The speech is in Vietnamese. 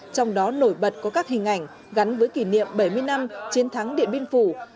trong đó nổi bật có các hình ảnh gắn với kỷ niệm bảy mươi năm chiến thắng điện biên phủ